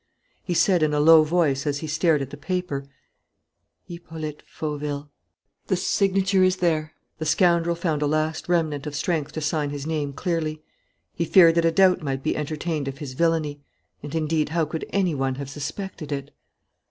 He said, in a low voice, as he stared at the paper: "'Hippolyte Fauville,' The signature is there. The scoundrel found a last remnant of strength to sign his name clearly. He feared that a doubt might be entertained of his villainy. And indeed how could any one have suspected it?"